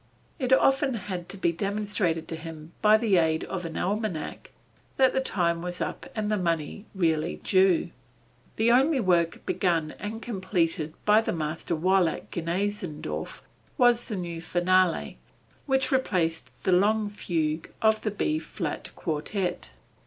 It often had to be demonstrated to him by the aid of an almanac that the time was up and the money really due. The only work begun and completed by the master while at Gneixendorf was the new finale, which replaced the long fugue of the B flat Quartet.